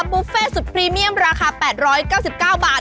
บุฟเฟ่สุดพรีเมียมราคา๘๙๙บาท